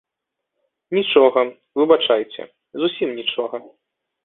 Нічога, выбачайце, зусім нічога.